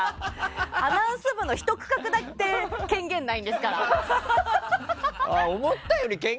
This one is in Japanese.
アナウンス部のひと区画だって権限ないんですから。